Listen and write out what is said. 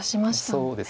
そうですね。